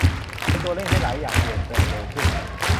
เป็นตัวเร่งให้หลายอย่างเปลี่ยนแปลงเร็วขึ้น